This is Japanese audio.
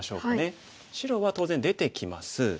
白は当然出てきます。